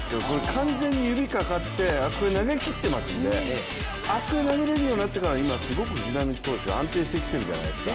完全に指かかって、あそこに投げきってますのであそこに投げれるようになってから今、すごく藤浪投手安定してきてるんじゃないですか。